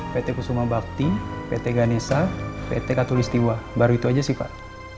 pt kusuma bakti pt ganesha pt katul istiwa baru itu aja sih pak